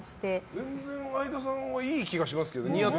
全然、相田さんはいい気がしますけどね。